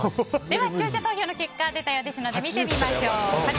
では視聴者投票の結果が出たようですので見てみましょう。